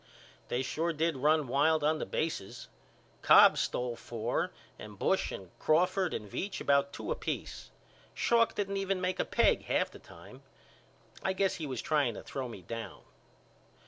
They sure did run wild on the bases. Cobb stole four and Bush and Crawford and Veach about two apiece. Schalk didn't even make a peg half the time. I guess he was trying to throw me down.